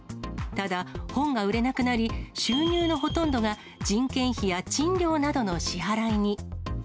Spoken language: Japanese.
ただ、本が売れなくなり、収入のほとんどが人件費や賃料などの支払いに。